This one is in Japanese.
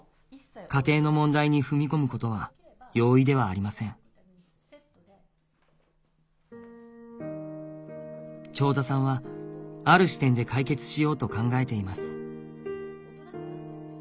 家庭の問題に踏み込むことは容易ではありません長田さんはある視点で解決しようと考えています